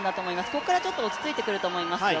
ここからちょっと落ち着いてくると思いますよ。